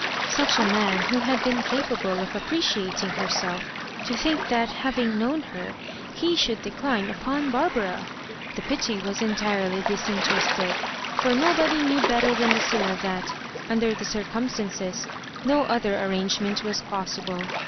Such a man who had been capable of appreciating her^ self, to think that, having known her, he should decline upon Barbara! The pity was entirely disinterested, for nobody knew better than Lu cilla that, under the circumstances, no other ar rangement was possible.